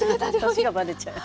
年がばれちゃう。